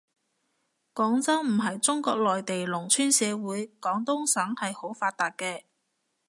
廣州唔係中國內地農村社會，廣東省係好發達嘅